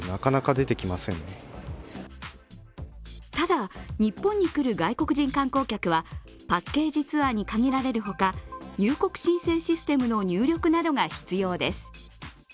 ただ、日本に来る外国人観光客はパッケージツアーに限られる他入国申請システムへの入力が必要です。